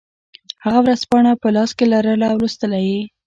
هغه ورځپاڼه په لاس کې لرله او لوستله یې